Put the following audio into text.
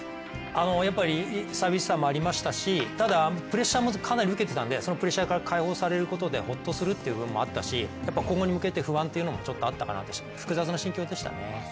やっぱり、寂しさもありましたし、プレッシャーも受けてたのでそのプレッシャーから解放されることでホッとするということもあったし今後に向けて不安もあったかなと複雑な心境でしたね。